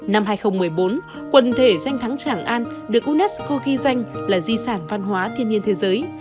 năm hai nghìn một mươi bốn quần thể danh thắng tràng an được unesco ghi danh là di sản văn hóa thiên nhiên thế giới